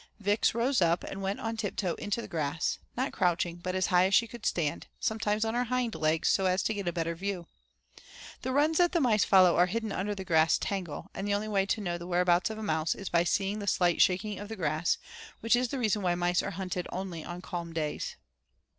Vix rose up and went on tiptoe into the grass not crouching but as high as she could stand, sometimes on her hind legs so as to get a better view. The runs that the mice follow are hidden under the grass tangle, and the only way to know the whereabouts of a mouse is by seeing the slight shaking of the grass, which is the reason why mice are hunted only on calm days.